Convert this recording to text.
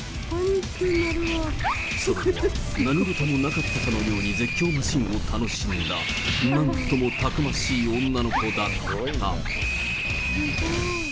その後は何事もなかったかのように絶叫マシンを楽しんだ、なんともたくましい女の子だった。